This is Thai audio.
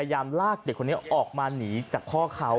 พยายามลากเด็กคนนี้ออกมาหนีจากพ่อเขา